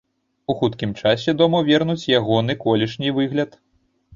У хуткім часе дому вернуць ягоны колішні выгляд.